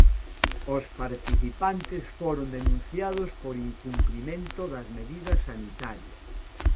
Os participantes foron denunciados por incumprimento das medidas sanitarias.